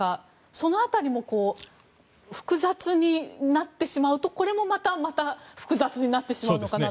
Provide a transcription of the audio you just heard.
その辺りも複雑になってしまうとこれもまた複雑になってしまうのかなと。